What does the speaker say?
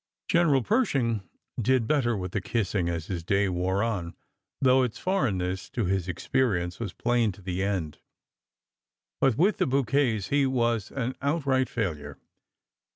General Pershing did better with the kissing as his day wore on, though its foreignness to his experience was plain to the end. But with the bouquets he was an outright failure.